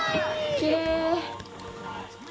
きれい。